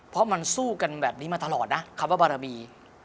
เพราะมันสู้กันแบบนี้มาตลอดนะคำว่าบารมี